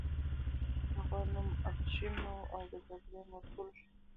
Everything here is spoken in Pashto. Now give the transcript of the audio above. د هغه نوم افشین و او د جګړې مسؤل شو.